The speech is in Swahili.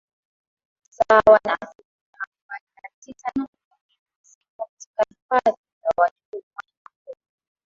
sawa na asilimia arobaini na tisa nukta mbili ziko katika Hifadhi za wanyamapori